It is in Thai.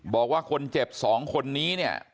บอกว่าคนเจ็บ๒คนนี้เนี่ย